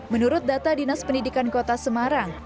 menurut data dinas pendidikan kota semarang